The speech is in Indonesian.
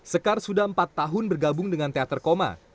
sekar sudah empat tahun bergabung dengan teater koma